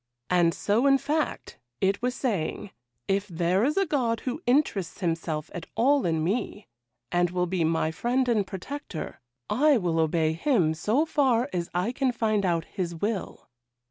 And so, in fact, it was saying "If there is a God who interests himself at all in me, and will be my friend and protector, I will obey Him so far as I can find out His will."